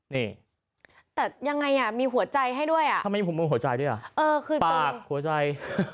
นี่แต่ยังไงอ่ะมีหัวใจให้ด้วยอ่ะทำไมหัวมุมหัวใจด้วยอ่ะเออคือปากหัวใจ